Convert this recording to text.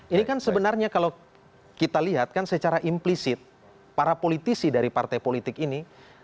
ini kan sebenarnya kalau kita lihat kan secara implisit para politisi dari partai politik ini